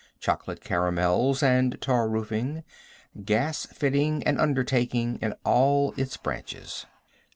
Chocolate Caramels and Tar Roofing. Gas Fitting and Undertaking in all Its Branches.